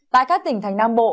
tại các tỉnh thành nam bộ